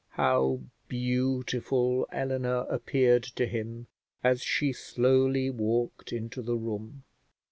How beautiful Eleanor appeared to him as she slowly walked into the room!